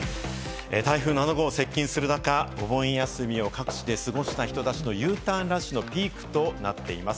台風７号が接近する中、お盆休みを各地で過ごした人たちのＵターンラッシュのピークとなっています。